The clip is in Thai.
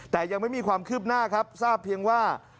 แต่ยังไม่มีความคืบหน้าครับทราบเพียงว่า